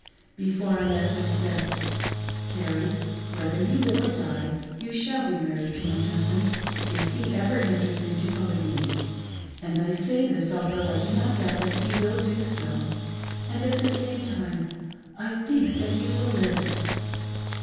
Before I left I said: "Carrie, whether you live or die, you shaU be married to my husband, if he ever enters into Polygamy ; and I say this although I do not doubt that he will do so, and at the same time I think that you will live."